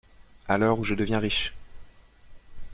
A l'heure où je deviens riche!